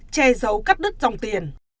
che dấu cắt đứt dòng tiền